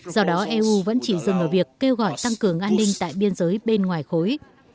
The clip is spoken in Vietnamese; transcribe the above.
do đó eu vẫn chỉ dừng ở việc kêu gọi tăng cường an ninh tại biên giới bên ngoài khối